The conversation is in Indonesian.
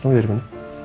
kamu dari mana